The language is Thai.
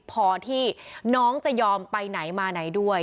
พอที่น้องจะยอมไปไหนมาไหนด้วย